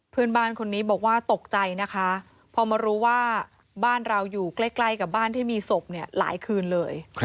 เพื่อนบ้านคนนี้บอกว่าตกใจนะคะพอมารู้ว่าบ้านเราอยู่ใกล้กับบ้านที่มีศพเนี่ยหลายคืนเลย